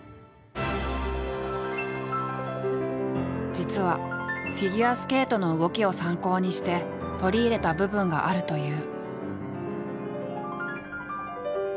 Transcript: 実はフィギュアスケートの動きを参考にして取り入れた部分があるという。